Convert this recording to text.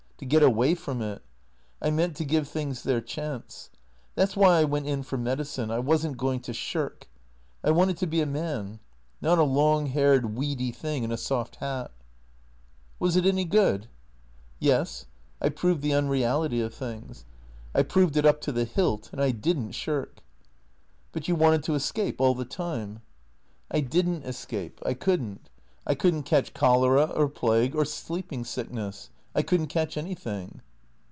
To get away from it. I meant to give things their chance. That 's why I went in for medicine. I was n't going to shirk. I wanted to be a man. Not a long haired, weedy thing in a soft hat." " Was it any good ?"" Yes. I proved the unreality of things. I proved it up to the hilt. And I did n't shirk." " But you wanted to escape, all the time ?" THE CREATORS 185 " I did n't escape, I could n't. I could n't catch cholera, or plague, or sleeping sickness. I could n't catch anything."